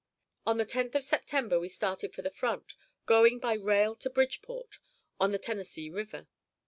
On the 10th of September we started for the front, going by rail to Bridgeport, on the Tennessee River.